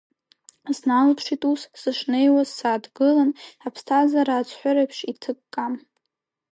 Сналаԥшит ус, сышнеиуаз, сааҭгылан, аԥсҭазаара ацәҳәыреиԥш иҭыкка.